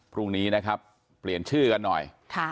พรุ่งนี้นะครับเปลี่ยนชื่อกันหน่อย